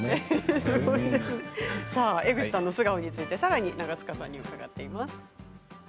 江口さんの素顔についてさらに長塚さんに伺っています。